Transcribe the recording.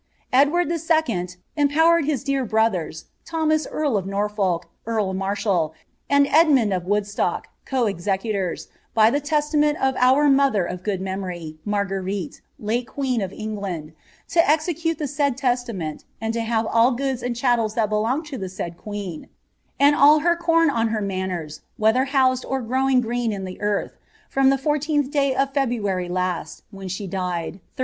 Edward I(. mpowered his dearest brothers, " ThomoB eiarl of Norfolk, earl marshal, nd Edmund erf' Woodstock, co execulois, by the testament of our molher of good memory, Marguerite, late queen of England, to execute the raid ttstament, and to have all ^ods and chattels that belonged to the said queen ; and all her com on her manors, whether housed or growing green in the earth; from the 14th day of February last, when she died, 1318.